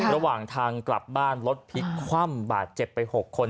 ระหว่างทางกลับบ้านรถพลิกคว่ำบาดเจ็บไป๖คน